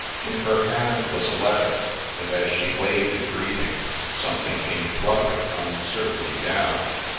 In her hand was a letter, and as she waved a greeting, something came fluttering un certainly down.